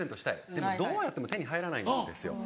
でもどうやっても手に入らないんですよ。